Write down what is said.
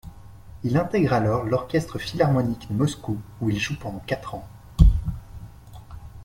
Il intègre alors l'orchestre philharmonique de Moscou où il joue pendant quatre ans.